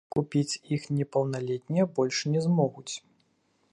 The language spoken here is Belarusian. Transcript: Купіць іх непаўналетнія больш не змогуць.